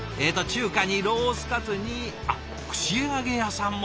中華にロースカツにあっ串揚げ屋さんも。